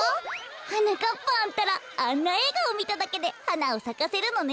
はなかっぱんたらあんなえいがをみただけではなをさかせるのね。